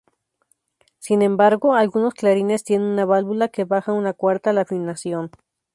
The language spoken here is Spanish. Sin embargo, algunos clarines tienen una válvula que baja una cuarta la afinación.